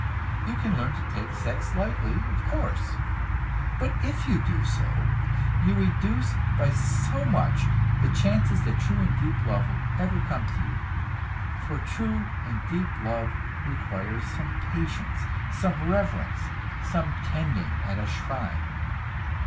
You can learn to take sex lightly, of course, but if you do so, you reduce by so much the chances that true and deep love will ever come to you; for true and deep love requires some patience, some reverence, some tending at a shrine.